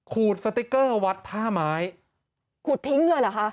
สติ๊กเกอร์วัดท่าไม้ขูดทิ้งเลยเหรอคะ